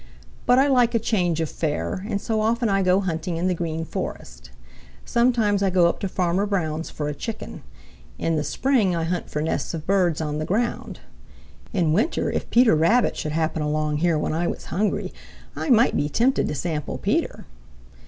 But I like a change of fare, and so often I go hunting in the Green Forest. Sometimes I go up to Farmer Brown's for a Chicken. In the spring I hunt for nests of birds on the ground. In winter, if Peter Rabbit should happen along here when I was hungry, I might be tempted to sample Peter."